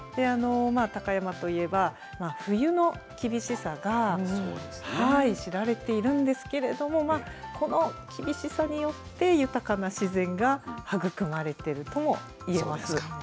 高山といえば、冬の厳しさが知られているんですけれども、この厳しさによって豊かな自然が育まれてるともいえます。